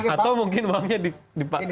atau mungkin uangnya di